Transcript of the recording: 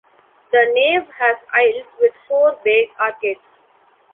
The nave has aisles with four-bay arcades.